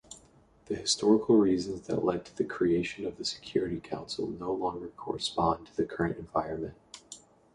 The historical reasons that led to the creation of the Security Council no longer correspond to the current environment.